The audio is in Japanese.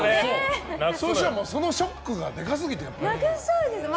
そうしたらそのショックがでかすぎて。